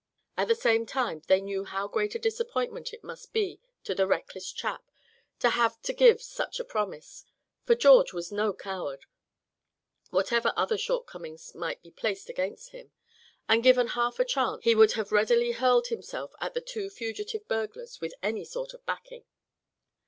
At the same time they knew how great a disappointment it must be to the reckless chap to have to give such a promise; for George was no coward, whatever other shortcomings might be placed against him; and given half a chance he would have readily hurled himself at the two fugitive burglars with any sort of backing.